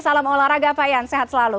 salam olahraga pak ian sehat selalu